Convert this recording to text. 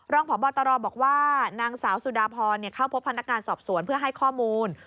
รองพบตรบอกว่านางสาวสุดาพรเข้าพบพนักงานสอบสวนเพื่อให้ข้อมูล